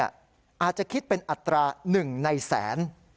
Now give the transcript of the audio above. อาจจะคิดเป็นอัตรา๑ในแสน